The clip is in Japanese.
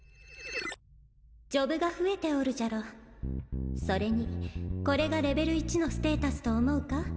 ジョブが増えておるじゃろそれにこれがレベル１のステータスと思うか？